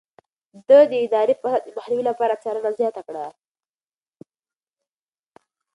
ده د اداري فساد د مخنيوي لپاره څارنه زياته کړه.